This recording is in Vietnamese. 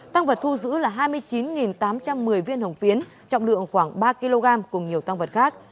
tăng vật thu giữ là hai mươi chín tám trăm một mươi viên hồng phiến trọng lượng khoảng ba kg cùng nhiều tăng vật khác